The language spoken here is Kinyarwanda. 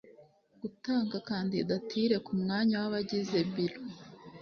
gutanga kandidatire ku mwanya w’abagize biro